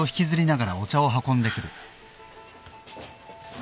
あ。